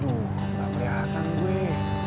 aduh gak keliatan gue